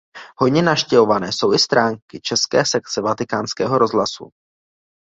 Hojně navštěvované jsou i stránky České sekce Vatikánského rozhlasu.